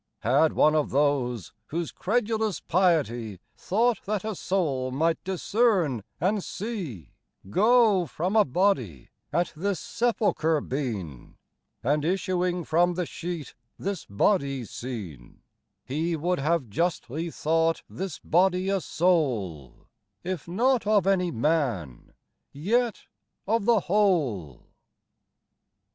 Had one of those, whose credulous piety Thought that a soul might discern and see l S Go from a body, at this sepulchre been, And issuing from the sheet this body seen, He would have justly thought this body a soul, If not of any man, yet of the whole.